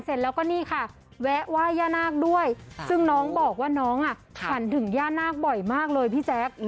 เสร็จแล้วก็นี่ค่ะแวะไหว้ย่านาคด้วยซึ่งน้องบอกว่าน้องอ่ะฝันถึงย่านาคบ่อยมากเลยพี่แจ๊ค